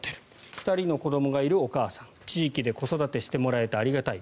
２人の子どもがいるお母さん地域で子育てしてもらえてありがたい。